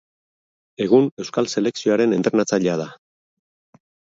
Egun Euskal Selekzioaren entrenatzailea da.